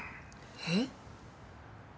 えっ？